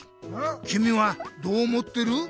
きみはどう思ってる？